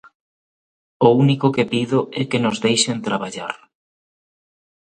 O único que pido é que nos deixen traballar.